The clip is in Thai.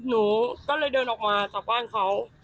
หนูก็เลยเดินออกมาจากบ้านเขา